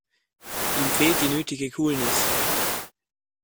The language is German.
Ihm fehlt die nötige Coolness.